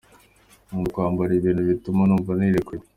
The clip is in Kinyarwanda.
Nkunda kwa mbara ibintu bituma numva nirekuye.